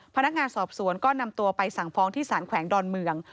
พนักงานสอบสวนก็นำตัวไปสั่งฟ้องที่สารแขวงดอนเมือง